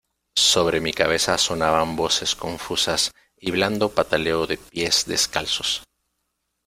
sobre mi cabeza sonaban voces confusas y blando pataleo de pies descalzos,